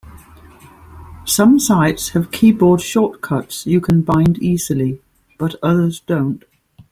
Some sites have keyboard shortcuts you can bind easily, but others don't.